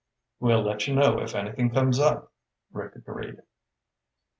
"We'll let you know if anything comes up," Rick agreed.